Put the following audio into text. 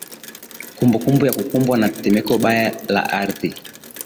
ye kumbukumbu ya kukumbwa na tetemeko mbaya la ardhi